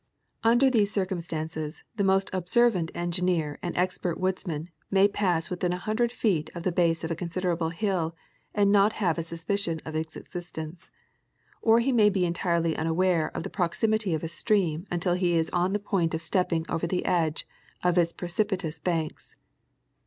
Across Nicaragua with Transit and Machete. 321 Under these circumstances the most observant engineer and ex pert woodsman may pass within a hundred feet of the base of a considerable hill and not have a suspicion of its existence, or he may be entirely unaware of the proximity of a stream until he is on the point of stepping over the edge of its precipitous banks.